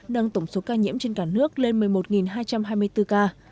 nâng tổng số ca nhiễm trên cả nước lên một mươi một hai trăm hai mươi bốn ca